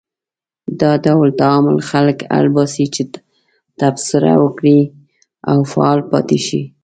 دا ډول تعامل خلک اړ باسي چې تبصره وکړي او فعال پاتې شي.